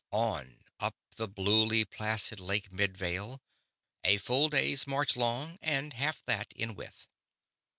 On, up the bluely placid Lake Midvale, a full day's march long and half that in width.